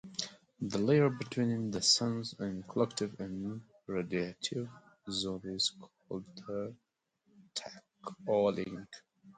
The layer between the Sun's convective and radiative zone is called the tachocline.